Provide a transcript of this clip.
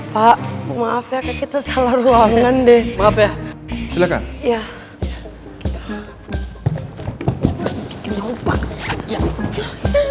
pak maaf ya kayak kita salah ruangan deh maaf ya silakan ya kita